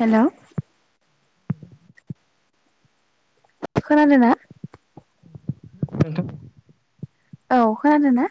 हेल' खोनादों ना नोंथां औ खोनादों ना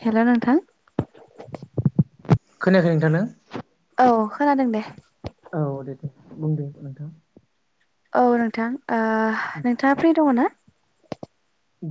हेल' नोंथां खोनायाखै नोंथांनो औ खोनादों दे औ दे दे बुं दे नोंथां औ नोंथां नोंथाङा फ्रि दङ ना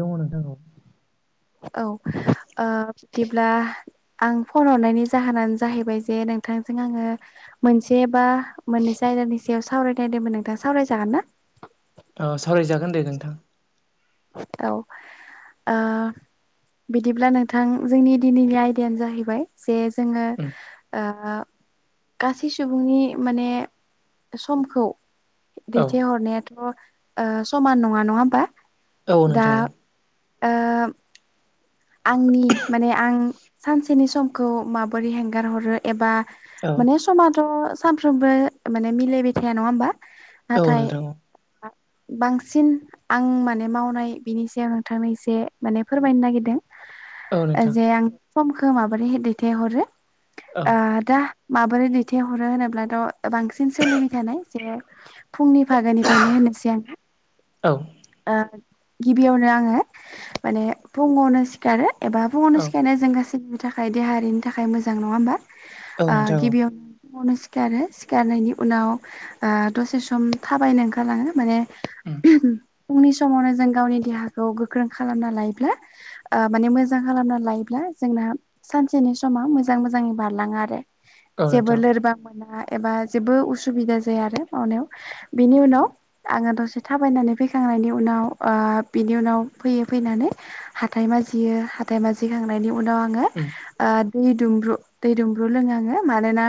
दङ नोंथांखौ औ बिदिब्ला आं फन हरनायनि जाहोनानो जाहैबाय जे नोंथांजों आङो मोनसे बा मोननै जायगानि सायाव सावरायनायदोंमोन नोंथां सावरायजागोन ना अ [inaudible] औ सावरायजागोन दे नोंथां औ ओ बिदिब्ला नोंथां जोंनि दिनैनि आयदायानो जाहैबाय दे जोङो उम गासै सुबुंनि माने समखौ औ दैथायहरनायाथ' समान नङा नङा होमबा औ दा नोंथां औ ओ आंनि माने आं सानसेनि समखौ माबोरै हेंगार हरो एबा औ माने समाथ' सानफ्रोमबो माने मिलायबाय थाया नङा होमबा औ नाथाय नोंथां औ बांसिन आं माने मावनाय बिनि सायाव नोंथांनो एसे माने फोरमायनो नागिरदों औ नोंथां जे आं समखौ माबोरै दैथायहरो औ दा माबोरै दैथायहरो होनोब्लाथ' बांसिन सोलिबाय थानाय जे फुंनि फागोनिफ्रायनो होनोसै औ आं गिबियावनो आङो माने फुङावनो सिखारो एबा फुङावनो औ सिखारनाय जों गासैबो थाखाय देहायारिनि थाखाय मोजां नङा हबा औ नोंथां औ गिबियावनो सिखारो सिखारनायनि उनाव आ दसे सम थाबायनो ओंखारलाङो माने उम फुंनि समावनो जों गावनि देहाखौ गोख्रों खालामना लायोब्ला माने मोजां खालामना लायोब्ला जोंना सानसेनि समाव मोजां मोजाङै बारलाङो आरो औ जेबो नोंथां लोरबां मोना एबा जेबो उसुबिदा जाया आरो मावनायाव बिनि उनाव आङो दसे थाबायनानै फैखाङो उ बिनि उनाव फैै फैनानै हा हाथाय माजियो हाथाइ माजिखांनायनि उनाव आङो उम दै दुमब्रु दै दुमब्रु लोङो आङो मानोना।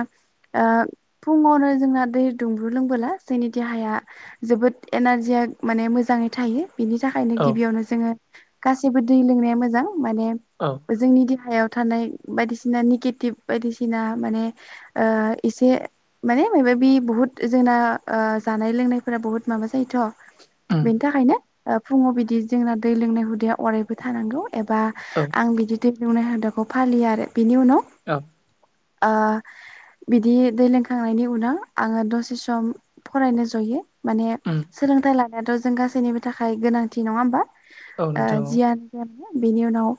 फुङावनो जोंना दै दुंब्रु लोंबोला जोंनि देहाया जोबोद एनारजिया माने मोजाङै थायो बिनि थाखायनो औ गिबियावनो जोंङो गासैबो दै लोंनाया मोजां माने औ जोंनि देहायाव। थानाय बायदिसिना निगेटिभ बायदिसिना माने एसे। माने माबा बे बुहुत जोंना जानाय लोंनायफोरा बुहुत माबा [unintelligible] उम बेनि थाखायनो फुङाव बिदि जोंना दै लोंनाय हुदाया अरायबो थानांगौ। एबा औ आं बिदि दै एवनाय [unintelligible] फालियो आरो बिनि उनाव। औ। ओ बिदि दै लोंखांनायनि उनाव आंङो दसे सम फरायनो जयो। माने उम सोलोंथाइ लानायाथ' जों गासैनिबो थाखाय गोनांथि नंङा होमबा। औ नोंथां औ बिनि उनाव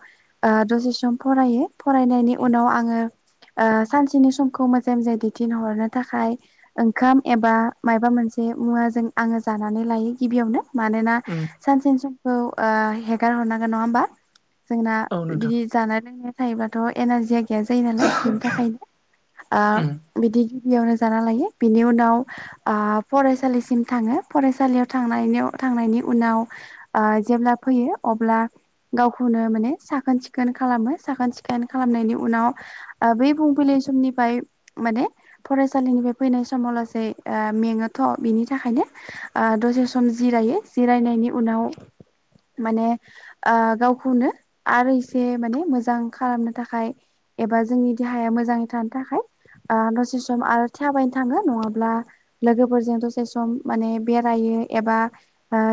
दसे सम फरायो फरायनायनि उम उनाव आंङो सानसेनि समखौ मोजांङै मोजांङै दैथिहरनो थाखाय ओंखाम एबा माबा मोनसे। मोनसे मुवाजों आंङो जानानै लायो गिबियावनो। मानोना उम सानसेनि समखौ हेगार हरनांगोन नंङा होमबा जोंना औ नोंथां बिदि जानाय लोंनाय थायोबाथ' एनारजिक। गैया जायो नालाय बिनि उम थाखायनो बिदि बेयावनो जाना लायो बिनि उनाव फरायसालिसिम थांङो फरायसालियाव थांनायनि थांनायनि उनाव जेब्ला फैयो अब्ला गावखौनो माने साखोन सिखोन खालामो साखोन सिखोन खालामनायनि उनाव बै बुं समनिफ्राय माने फरायसालिनिफ्राय फैनाय समाव लासै मेंङोथ' बिनि थाखाय थाखायनो दसे सम जिरायो जिरायनायनि उनाव माने गावखौनो आरो इसे माने मोजां खालामनो थाखाय एबा जोंनि देहाया मोजांङै थानो थाखाय दसे सम आरो थाबायनो थांङो नंङाब्ला लोगोफोरजों दसे सम माने बेरायो एबा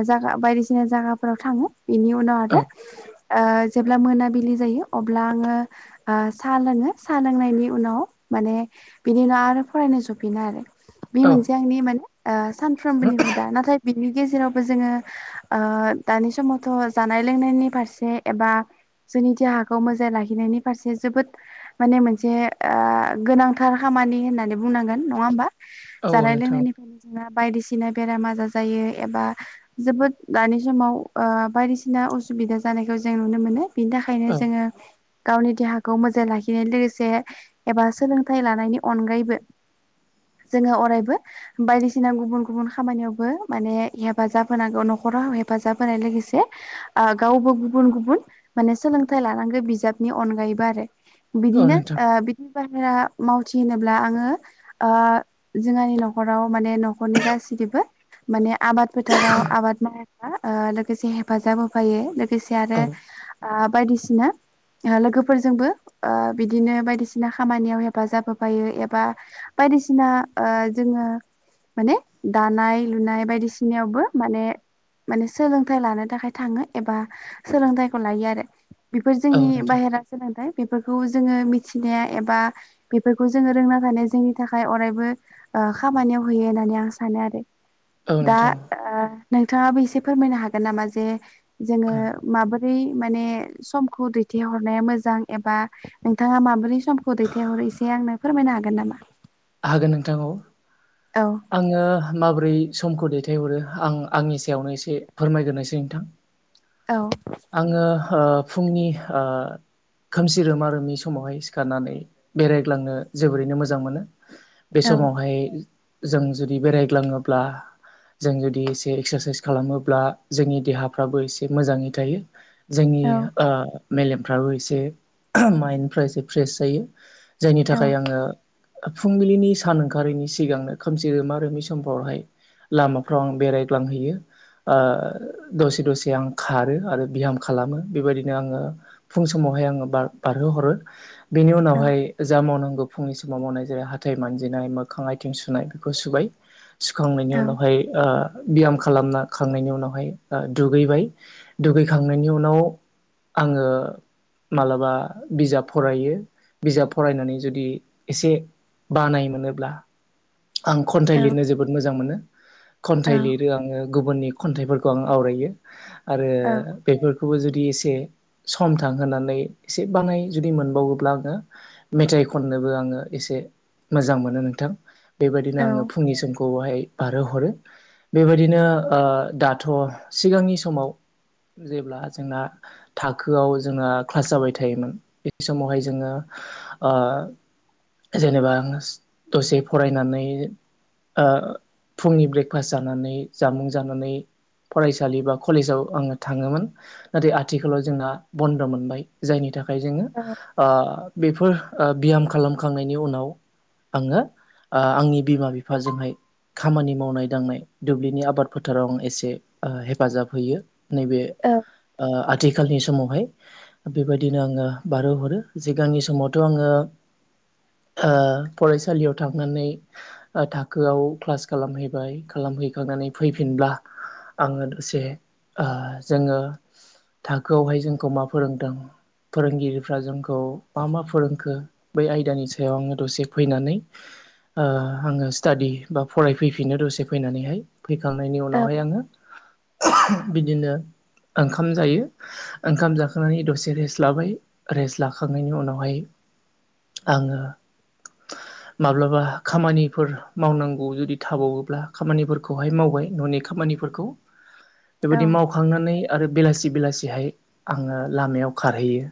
जा बायदिसिना जायगाफोराव थांङो बेनि उनाव औ आरो। जेब्ला मोनाबिलि जायो अब्ला आंङो साहा लोंङो साहा लोंनायनि उनाव माने बिनि उनाव आरो फरायनो जफिनो आरो बे औ मोनसे आंनि माने सानफ्रोमबोनि हुदा नाथाय बिनि गेजेरावबो जोंङो दानि समावथ' जानाय लोंनायनि फारसे एबा जोंनि देहाखौ मोजांयै लाखिनायनि फारसे जोबोद माने मोनसे गोनांथार खामानि खामानि होना बुंनांगो नंङा होनबा औ जानाय लों नोंथां बायदिसिना बेराम आजार जायो एबा जोबोद दानि समाव बायदिसिना बिदिना असुबिदा जानायखौ जों नुनो मोनो बिनि थाखायनो औ जोंङो गावनि देहाखौ मोजां लाखिनाय लोगोसे एबा सोलोंथाइ लानायनि अनगायैबो जोंङो अरायबो बायदिसिना गुबुन गुबुन खामानियावबो माने हेफाजाब होनांगौ न'खर हेफाजाब होननाय लोगोसे। गावबो गुबुन गुबुन माने सोलोंथाइ लानांगौ बिजाबनि अनगायैबो आरो। औ बिदिनो नोंथां बिदिब मावथि होनोब्ला आंङो जोंहानि न'खराव माने न'खरनि गासैबो। माने आबाद फोथाराव आबाद मावनायाब्रा लोगोसे हेफाजाब होफायो लोगोसे आरो। औ बायदिसिना लोगोफोरजोंबो बिदिनो बायदिसिना खामानियाव हेफाजाब होफायो एबा। बायदिसिना जोंङो माने दानाय लुनाय बायदिसिनायावबो माने माने सोलोंथाइ लाना थाखाय थांङो एबा सोलोंथायाइखौ लायो आरो। बिफोर औ जोंनि नोंथां बाहेरा सोलोंथाइ बिफोरखौ जोङो मिथिनाय एबा बेफोरखौ जोङो रों थानाय जोंनि थाखाय अरायबो ओ खामानि याव होयो होननानै आं सानो आरो। औ दा नोंथां ओ नोंथांङाबो एसे फोरमायनो हागोन नामा जे जोङो माबोरै माने समखौ दैथायहरनाया मोजां एबा नोंथाङा माबोरै समखौ दैथायहरो एसे आंनो फोरमायनो हागोन नामा? हागोन नोंथां औ औ आङो माबोरै समखौ दैथायहरो आं आंनि सायावनो एसे फोरमायगोरनोसै नोंथां। औ आङो ओ फुंनि ओ खोमसि रोमा रोमि समावहाय सिखारनानै बेरायग्लांनो जोबोरैनो मोजां मोनो। बे औ समावहाय जों जुदि बेरायग्लाङोब्ला जों जुदि एसे एक्सारसाइस खालामोब्ला जोंनि देहाफ्राबो एसे मोजाङै थायो। जोंनि औ ओ मेलेमफ्राबो एसे [unintelligible] माइन्दफ्रा एसे फ्रेस जायो। जायनि औ थाखाय आङो फुंबिलिनि सान ओंखारैनि सिगांनो खोमसि रोमा रोमि समफ्रावहाय लामाफ्राव आं बेरायग्लांहैयो। ओ दसे दसे आं खारो आरो बिहाम खालामो बेबायदिनो आङो फुं समाव हाय आङो बार-बारहोहरो। बिनि उनावहाय जा मावनांगौ फुंनि समाव मावनाय जेरै हाथाइ मानजिनाय मोखां आथिं सुनाय बेखौ सुबाय सुखांनायनि औ उनावहाय ओ ब्याम खालामना खांनायनि उनावहाय आ दुगैबाय दुगैखांनायनि उनाव आङो मालाबा बिजाब फरायो। बिजाब फरायनानै जुदि एसे बानाय मोनोब्ला आं खन्थाइ औ लिरनो जोबोद मोजां मोनो। औ खन्थाइ लिरो आङो गुबुननि खन्थाइफोरखौ आं आवरायो। आरो औ बेफोरखौबो जुदि एसे सम थांहोनानै एसे बानाय जुदि मोनबावोब्ला आङो मेथाइ खननोबो आङो एसे मोजां मोनो नोंथां बेबादिनो औ आङो फुंनि समखौहाय बारहोहरो बेबायदिनो ओ दाथ' सिगांनि समाव जेब्ला जोंना थाखोआव जोंना क्लास जाबाय थायोमोन बे समावहाय जोङो ओ जेनेबा आङो दसे फरायनानै ओ फुंनि ब्रेकफास्ट जानानै जामुं जानानै फरायसालि बा कलेजाव आङो थाङोमोन नाथाय आथिखालाव जोंना बन्द' मोनबाय जायनि था खाय जोङो ओ बेफोर ओ बियाम खालामखांनायनि उनाव आङो ओ आंनि बिमा बिफाजोंहाय खामानि मावनाय दांनाय दुब्लिनि आबाद फोथाराव आं एसे ओ हेफाजाब हैयो। नैबे औ ओ आथिखालनि समावहाय बेबादिनो आङो बारहोहरो जिगांनि समावथ' आङो ओ फरायसालियाव थां नानै ओ थाखोआव क्लास खालामहैबाय खालामहैखांनानै फैफिनब्ला आङो दसे ओ जोङो थाखोआवहाय जोंखौ मा फोरोंदों फोरोंगिरिफ्रा जोंखौ मा मा फोरोंखो बै आयदानि सायाव आङो दसे फैनानै ओ आङो स्टाडि बा फरायफैफिनो दसे फैनानैहाय फैखांनायनि औ उनावहाय आङो [unintelligible] बिदिनो ओंखाम जायो। ओंखाम जाखांनानै दसे रेस्ट लाबाय रेस्ट लाखांनायनि उनावहाय आङो माब्लाबा खामानिफोर मावनांगौ जुदि थाबावोब्ला खामानिफोरखौहाय मावबाय न'नि खामानि फोरखौ बेबादि मावखांनानै आरो बेलासि बेलासिहाय आङो लामायाव खारहैयो।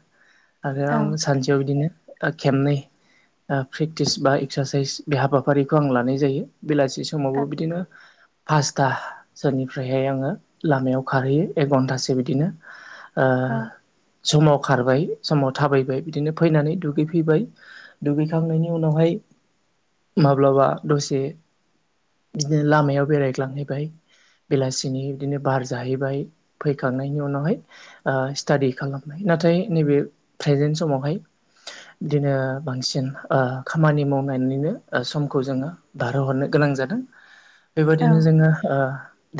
आरो आं सानसेयाव बिदिनो ओ खेबनै ओ प्रेक्टिस बा एक्सारसाइस बे हाबाफारिखौ आं लानाय जायो बेलासि समावबो बिदिनो पासथा सोरनिफ्रायहाय आङो लामायाव खारहैयो एक घन्टासो बिदिनो ओ समाव खारबाय समाव थाबायबाय बिदिनो फैनानै दुगैफैबाय दुगैखांनायनि उनावहाय माब्लाबा दसे बिदिनो लामायाव बेरायग्लांहैबाय बेलासिनि बिदिनो बार जाहैबाय फैखांनायनि उनावहाय स्टादि खालामबाय नाथाय नैबे प्रेजेन्ट समावहाय बिदिनो बांसिन खामानि माव नानैनोखौ जोङो बारहोहरनो गोनां जादों बेबायादिनो औ जोङो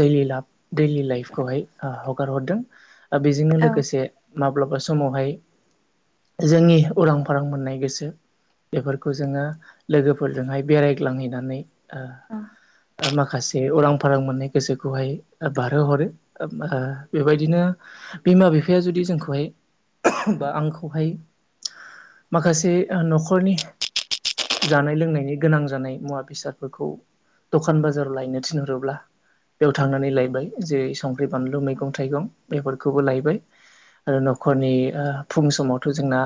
दैलि लाब दैलि लाइफखौहाय हगार हरदों दा बेजोंनो औ लोगोसे माब्लाबा समावहाय जोंनि उरां फारां मोननाय गोसो बेफोरखौ जोङो लोगोफोरजोंहाय बेरायग्लांहैनानै माखासे उरां फारां मोननाय गोसोखौहाय बारहोहरो बेबायदिनो बिमा बिफाया जुदि जोंखौहाय बा आंखौहाय माखासे न'खरनि जानाय लोंनायनि गोनां जानाय मुवा बेसादफोरखौ दखान बाजाराव लायनो थिनहरोब्ला बेयाव थांनानै लायबाय जेरै संख्रि बानलु मैगं थाइगं बे फोरखौबो लायबाय आरो न'खरनि फुं समावथ जोंना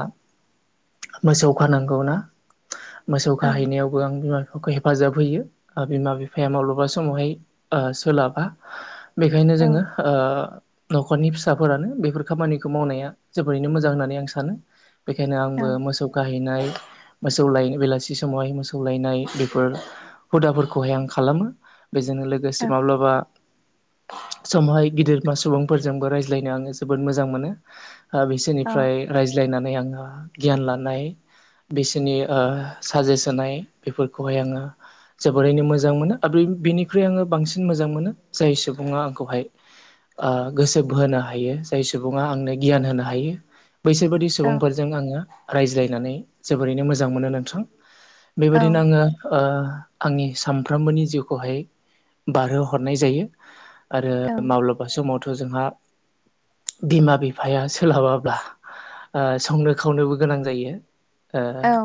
मोसौ खानांगौ ना मोसौ खाहैनायावबो आं बिमा बिफा बिखौ हेफाजाब होयो बिमा बिफाया माब्लाबा समावहाय सोलाबा बेखायनो जोङो न'खरनि फिसाफोरानो बेफोर खामानिखौ मावनाया जोबोरैनो मोजां होननानै आं सानो बेखायनो आंबो मोसौ गाहैनाय मोसौ लायो बेलासि ससमावहाय मोसौ लायनाय बेफोर हुदाफोरखौहाय आं खालामो बेजों लोगोसे माब्लाबा समाहाय गिदिरमा सुबुंफोरजोंबो रायज्लायनो आङो जोबोद मोजां मोनो बिसोरनिफ्राय रायज्लायनानै आङो गियान लानाय बिसोरनि साजेस होनाय बेफोरखौहाय आङो जोबोरैनो मोजां मोनो आरो बिनिख्रुइ आङो बांसिन मोजां मोजां मोनो जाय सुबुङा आंखौहाय गोसो बोहो हायो जाय सुबुङा आंनो गियान होनो हायो बैसोर बाददि सुबुंफोरजों आङो रायज्लायनानै जोबोरैनो मोजां मोनो नोंथां बेबायदिनो आङो आंनि सानफ्रोमबोनि जिउखौहाय बारहोहरनाय जायो आरो माब्लाबा समावथ जोंहा बिमा बिफाया सोलाबाब्ला संनो खावनोबो गोनां जायो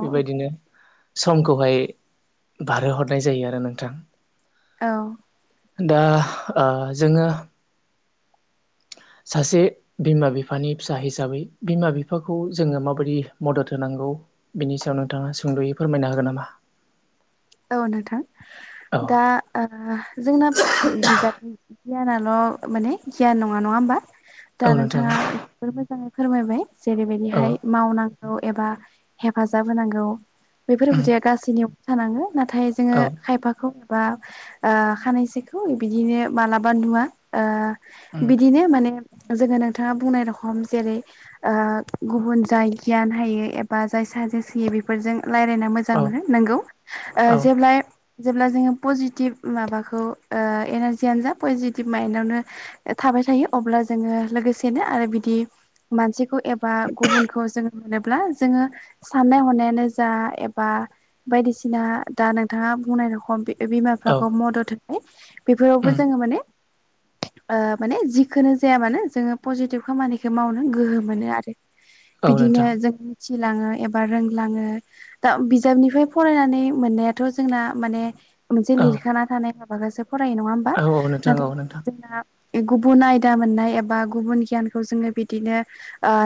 बेबायदिनो समखौहाय बारहोहरनाय जायो आरो नोंथां औ दा जोङो [inaudible] सासे बिमा बिफानि फिसा हिसाबै बिमा बिफाखौ जोङो माबायदि मदद होनांगौ बेनि सायाव नोंथाङा सुंद'यै फोरमायनो हागोन नामा औ नोंथां औ दा जोंना बिजाबनि गियानल माने गियान नङा नङा होमबा औ दा नोंथां नोंथाङा जोबोर मोजां फोरमायबाय औ जेरैबायदिहाय मावनांगौ एबा हेफाजाब होनांगौ बेफोर उम हुदाया गासैनियावबो थानाङो नाथाय जोङो औ खायफाखौ बा खानैसोखौ बिदिनो मालाबा नुवा उम बिदिनो माने जोङो नोंथाङा बुंनाय रखम जेरै गुबुन जाय गियान हायो एबा जाय साजेस बेफोरजों रायज्लायना मोजां औ मोनो नोंगौ औ जेब्ला जेब्ला जोङो पजिटिभ माबाखौ एनारजियानो जा पजिटिभ माइन्दआवनो थाबाय थायो। अब्ला जोङो लोगोसेनो आरो बिदि मानसिखौ एबा गुबुनखौ जोङो मोनोब्ला जोङो साननाय हनायानो जा एबा बायदिसिना दा नोंथाङा बुंनाय रखम बिमा औ बिफाखौ मदद होनाय बेफोरावबो उम जोङो माने [inaudible] माने जिखो जायाबानो जोङो पजिटिभ खामानिखौ मावनो गोहो मोनो आरो। औ बिदिनो नोंथां जों मिथिलाङो एबा रोंलाङो दा बिजाबनिफ्राय फरायनानै मोननायाथ' जोंना माने मोनसे औ लिरखाना थानाय माबानासो फरायो नङा होमबा। औ औ नोंथां औ नाथाय नोंथां जोंना गुबुन आयदा मोननाय एबा गुबुन गियानखौ जोङो बिदिनो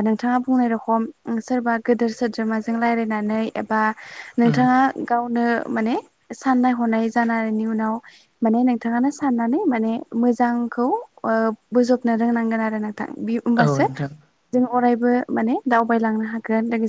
नोंथाङा बुंनाय रखम सोरबा गोदोर सोद्रोमाजों रायलायनानै एबा उम नोंथाङा माने साननाय हनाय जानायनि उनाव माने नोंथाङानो साननानै माने मोजांखौ बोजबनो रोंनांगोन आरो नों थां औ होबासो नोंथां जों अरायबो माने दावबायलांनो हागोन।